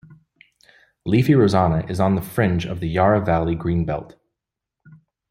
Leafy Rosanna is on the fringe of the Yarra Valley green belt.